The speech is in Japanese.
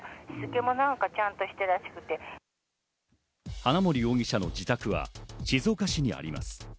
花森容疑者の自宅は静岡市にあります。